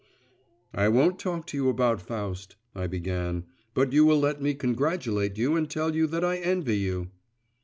'I won't talk to you about Faust,' I began; 'but you will let me congratulate you and tell you that I envy you.